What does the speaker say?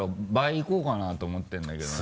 いこうかなと思ってるんだよね。